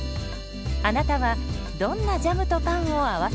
あなたはどんなジャムとパンを合わせますか？